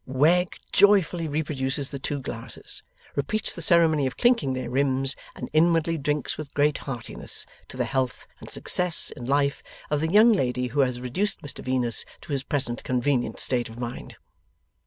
Wegg joyfully reproduces the two glasses, repeats the ceremony of clinking their rims, and inwardly drinks with great heartiness to the health and success in life of the young lady who has reduced Mr Venus to his present convenient state of mind.